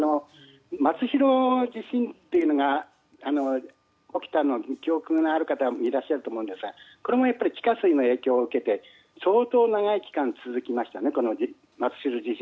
まつひろ地震というのが起きたのが記憶にある方もいらっしゃると思うんですがこれも地下水の影響を受けて相当長い期間、続きましたね。